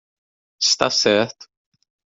Está certo